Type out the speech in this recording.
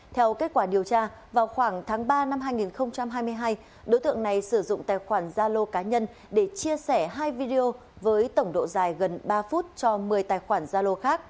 theo kết quả điều tra vào khoảng tháng ba năm hai nghìn hai mươi hai đối tượng này sử dụng tài khoản gia lô cá nhân để chia sẻ hai video với tổng độ dài gần ba phút cho một mươi tài khoản gia lô khác